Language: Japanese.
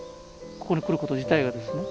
ここに来ること自体がですね。